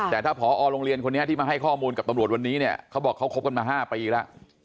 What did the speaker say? แต่ถ้าผอโรงเรียนคนนี้ที่มาให้ข้อมูลกับตำรวจวันนี้เนี่ยเขาบอกเขาคบกันมา๕ปีแล้ว